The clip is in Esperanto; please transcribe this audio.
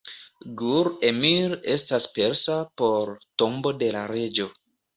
Gur-Emir estas persa por "Tombo de la Reĝo".